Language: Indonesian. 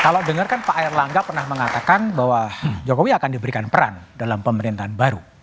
kalau dengar kan pak erlangga pernah mengatakan bahwa jokowi akan diberikan peran dalam pemerintahan baru